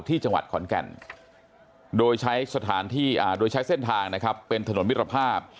ที่จังหวัดขอนแก่นโดยใช้เส้นทางเป็นถนนวิทรภาพ